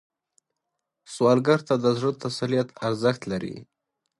سوالګر ته د زړه تسلیت ارزښت لري